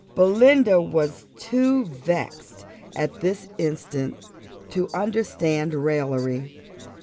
Belinda was too much vexed at this instant to understand raillery.